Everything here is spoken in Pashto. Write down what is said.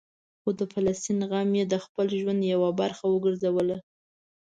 خو د فلسطین غم یې د خپل ژوند یوه برخه وګرځوله.